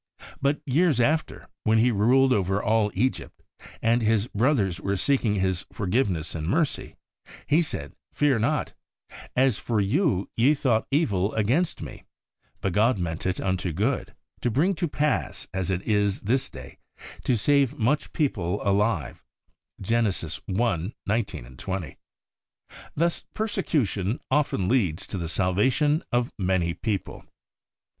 But years after, when he ruled over all Egypt, and his brothers were seeking his forgiveness and mercy, he said, ' Fear not :... as for you, ye thought evil against me ; but God meant it unto good, to bring to pass, as it is this day, to save much people alive ' (Gen. 1 . 19, 20). Thus persecution often leads to the Salvation of many people.